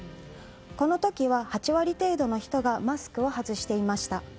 この時は８割程度の人がマスクを外していました。